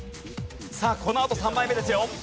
さあこのあと３枚目ですよ！